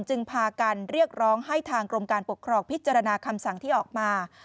พากันเรียกร้องให้ทางกรมการปกครองพิจารณาคำสั่งที่ออกมา